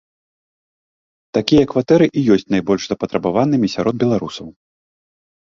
Такія кватэры і ёсць найбольш запатрабаванымі сярод беларусаў.